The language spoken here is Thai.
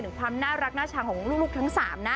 ถึงความน่ารักน่าช่างของลูกทั้ง๓